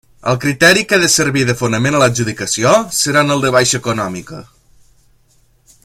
El criteri que ha de servir de fonament a l'adjudicació seran el de baixa econòmica.